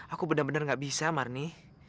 aku bener bener gak bisa marni